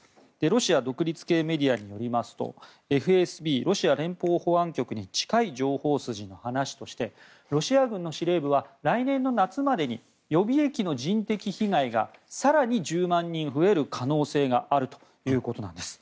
ロシア独立系メディアによりますとＦＳＢ・ロシア連邦保安局に近い情報筋の話としてロシア軍の司令部は来年の夏までに予備役の人的被害が更に１０万人増える可能性があるということなんです。